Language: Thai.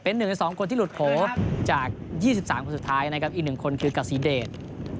เป็น๑หรือ๒คนที่หลุดโผล่จาก๒๓คนสุดท้ายอีก๑คนคือกาซีเดช